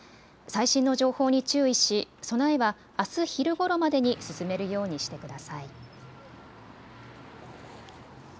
最新の情報に注意し備えはあす昼ごろまでに進めるようにしてください。